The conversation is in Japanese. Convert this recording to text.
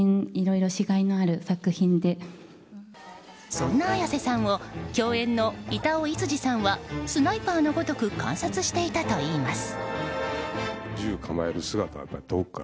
そんな綾瀬さんを共演の板尾創路さんはスナイパーのごとく観察していたといいます。